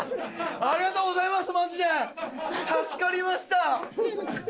ありがとうございます！